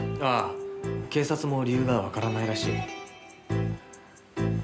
警察も理由がわからないらしい。